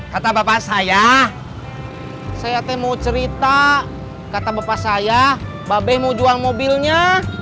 kata bapak saya saya mau cerita kata bapak saya babe mau jual mobilnya